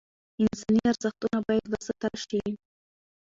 انساني ارزښتونه باید وساتل شي.